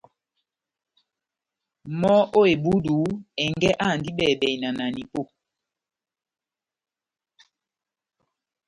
Mɔ́ ó ebúdu, ɛngɛ́ áhandi bɛhi-bɛhi na nanipó